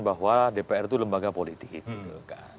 bahwa dpr itu lembaga politik